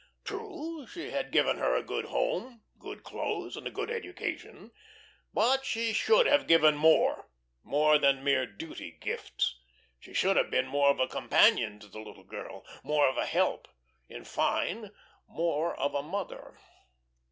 True she had given her a good home, good clothes, and a good education, but she should have given more more than mere duty gifts. She should have been more of a companion to the little girl, more of a help; in fine, more of a mother.